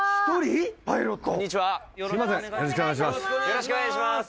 よろしくお願いします。